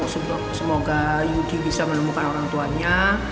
semoga yudi bisa menemukan orang tuanya